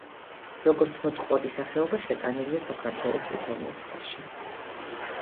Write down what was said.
როგორც მოწყვლადი სახეობა, შეტანილია საქართველოს წითელ ნუსხაში.